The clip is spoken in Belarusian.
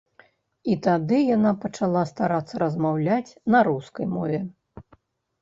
І тады яна пачала старацца размаўляць на рускай мове.